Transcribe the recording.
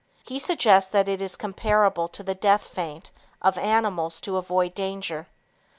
He suggests this is comparable to the "death feint" of animals to avoid danger.